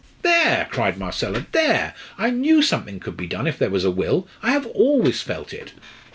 "There!" cried Marcella. "There! I knew something could be done, if there was a will. I have always felt it."